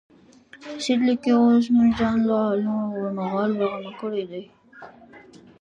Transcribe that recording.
سید لیکي اوس مې ځان له عالم غالمغال بېغمه کړی دی.